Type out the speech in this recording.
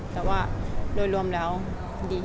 แต่ว่าโดยรวมแล้วดี